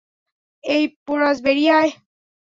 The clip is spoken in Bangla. এই পোরাস, বেরিয়ে আস।